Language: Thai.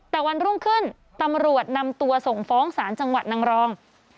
แต่วันรุ่งขึ้นตำรวจนำตัวส่งฟ้องศาลจังหวัดนางรอง